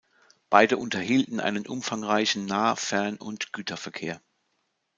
Beide unterhielten einen umfangreichen Nah-, Fern- und Güterverkehr.